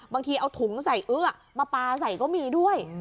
บางทีเอาถุงใส่อื้อมาปลาใส่ก็มีด้วย